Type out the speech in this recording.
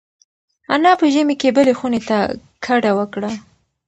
انا په ژمي کې بلې خونې ته کډه وکړه.